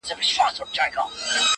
o بس چي کله قاضي راسي د شپې کورته,